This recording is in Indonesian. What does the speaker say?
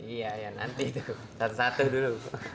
iya iya nanti tuh satu satu dulu